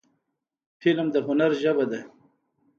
فلم د هنر ژبه ده